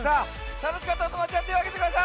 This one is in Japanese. たのしかったおともだちはてをあげてください！